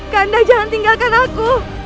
kanda jangan tinggalkan aku